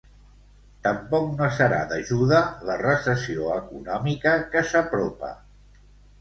Tampoc no serà d'ajuda la recessió econòmica que s'apropa.